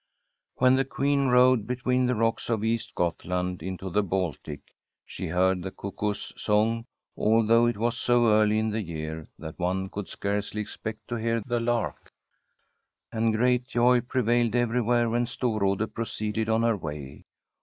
When the Queen rowed between the rocks of East Gothland into the Baltic, she heard the cuckoo's song, although it was so early in the h57] From a SfFE DISH HOMESTEAD !rear that one could scarcely expect to hear the ark. And great joy prevailed everywhere when Stor rade proceeded on her way.